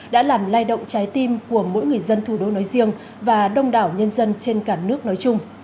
đã làm lay động trái tim của mỗi người dân thủ đô nói riêng và đông đảo nhân dân trên cả nước nói chung